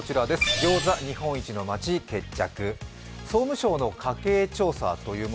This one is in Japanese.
ギョーザ日本一の街決着。